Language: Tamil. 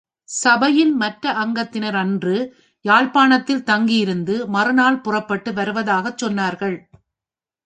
சபையின் மற்ற அங்கத்தினர் அன்று யாழ்ப்பாணததில் தங்கியிருந்து மறுநாள் புறப்பட்டு வருவதாகச் சொன்னார்கள்.